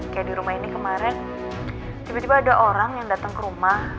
kayak di rumah ini kemarin tiba tiba ada orang yang datang ke rumah